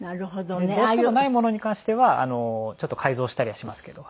どうしてもないものに関してはちょっと改造したりはしますけど。